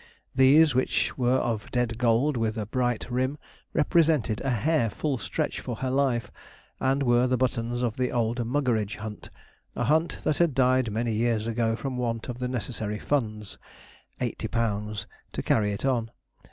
These, which were of dead gold with a bright rim, represented a hare full stretch for her life, and were the buttons of the old Muggeridge hunt a hunt that had died many years ago from want of the necessary funds (80_l_.) to carry it on.